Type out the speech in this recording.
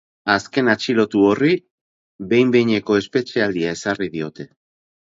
Azken atxilotu horri behin-behineko espetxealdia ezarri diote.